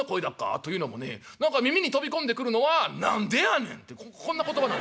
「というのもね何か耳に飛び込んでくるのは『何でやねん』ってこんな言葉なん」。